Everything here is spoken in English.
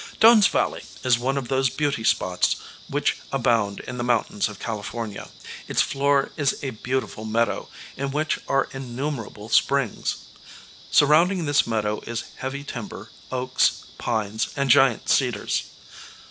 Doane's Valley is one of those beauty spots which abound in the mountains of California. Its floor is a beautiful meadow, in which are innumerable springs. Surrounding this meadow is heavy timber, oaks, pines and giant cedars.